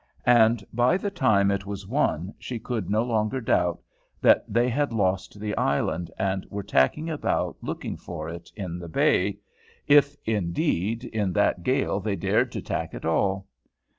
And by the time it was one she could no longer doubt that they had lost the island, and were tacking about looking for it in the bay, if, indeed, in that gale they dared to tack at all.